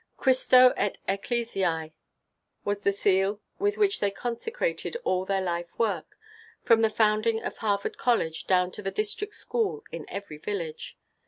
Christo et Ecclesiæ, was the seal with which they consecrated all their life work, from the founding of Harvard College down to the district school in every village.